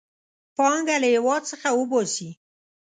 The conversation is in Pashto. پانګه له هېواد څخه وباسي.